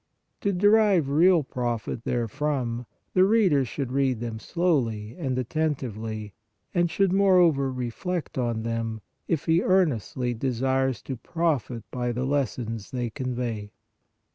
To derive real profit therefrom, the reader should read them slowly and attentively ; and should, more over, reflect on them, if he earnestly desires to profit by the lessons they convey.